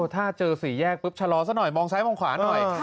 ถ้าเจอสี่แยกปุ๊บชะลอซะหน่อยมองซ้ายมองขวาหน่อย